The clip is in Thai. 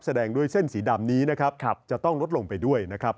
แสดงด้วยเส้นสีดำนี้นะครับจะต้องลดลงไปด้วยนะครับ